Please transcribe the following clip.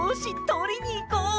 とりにいこう！